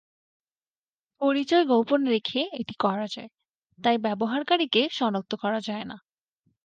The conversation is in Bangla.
পরিচয় গোপন রেখে এটি করা যায়, তাই ব্যবহারকারীকে শনাক্ত করা যায় না।